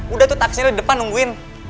udah tuh taksinya di depan nungguin